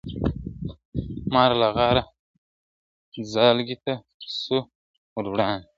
مار له غاره ځالګۍ ته سو وروړاندي ..